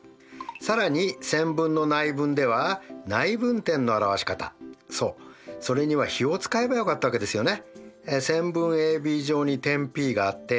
更に線分の内分では内分点の表し方そうそれには比を使えばよかったわけですよね。